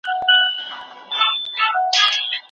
د ماشوم ناروغتیا زما فکر پریشانه کوي.